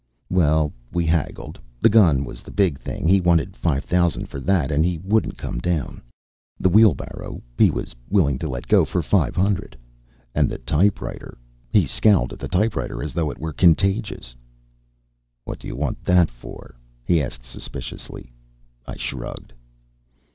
Well, we haggled. The gun was the big thing he wanted five thousand for that and he wouldn't come down. The wheelbarrow he was willing to let go for five hundred. And the typewriter he scowled at the typewriter as though it were contagious. "What you want that for?" he asked suspiciously. I shrugged.